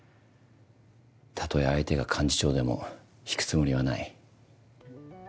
たとえ相手が幹事長でも引くつもりはない。